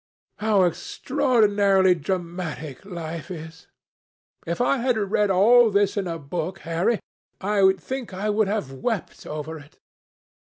How extraordinarily dramatic life is! If I had read all this in a book, Harry, I think I would have wept over it.